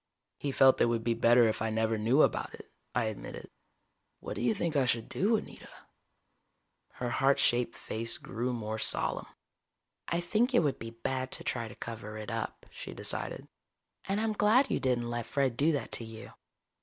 "He felt it would be better if I never knew about it," I admitted. "What do you think I should do, Anita?" Her heart shaped face grew more solemn. "I think it would be bad to try to cover it up," she decided. "And I'm glad you didn't let Fred do that to you.